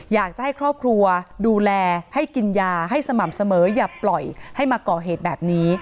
อยากจะให้ครอบครัวดูแลให้กินยาให้สม่ำเสมออย่าปล่อยให้มาก่อเหตุแบบนี้